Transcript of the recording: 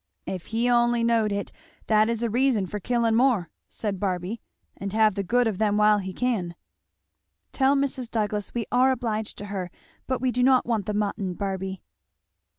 "If he only knowed it, that is a reason for killing more," said Barby, " and have the good of them while he can." "Tell Mrs. Douglass we are obliged to her, but we do not want the mutton, Barby."